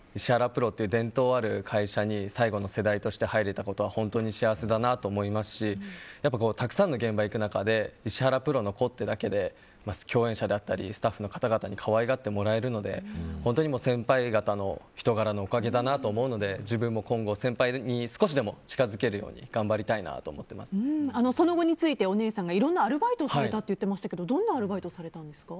プロという伝統ある会社に最後の世代としては入れたことは本当に幸せだなと思いますしたくさんの現場に行く中で石原プロの子ってだけで共演者の方だったりスタッフの方々に可愛がってもらえるので本当に先輩方の人柄のおかげだなと思うので自分も今後先輩に少しでも近づけるようにその後についてお姉さんがいろんなアルバイトをされたと言ってましたがどんなアルバイトをされたんですか？